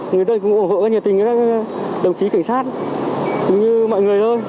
người dân cũng ủng hộ các nhiệt tình các đồng chí cảnh sát cũng như mọi người thôi